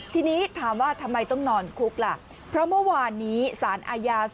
ทีนี้ถามว่าทำไมต้องนอนคุกล่ะเพราะเมื่อวานนี้สารอาญา